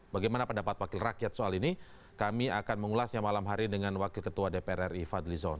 bagaimana pendapat wakil rakyat soal ini kami akan mengulasnya malam hari dengan wakil ketua dpr ri fadli zon